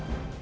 ya pak benar